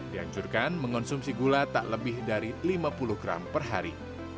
dianjurkan mengonsumsi gula tak lebih dari lima puluh gram per hari